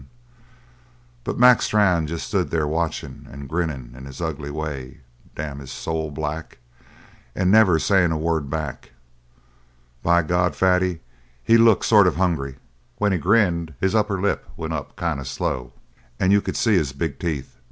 But Mac Strann jest stood there watchin', and grinnin' in his ugly way damn his soul black! and never sayin' a word back. By God, Fatty, he looked sort of hungry. When he grinned, his upper lip went up kind of slow and you could see his big teeth.